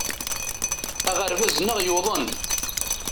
Aɣerbaz-nneɣ yuḍen.